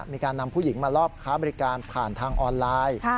มีการนำผู้หญิงมารอบค้าบริการผ่านทางออนไลน์